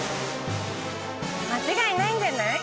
間違いないんじゃない？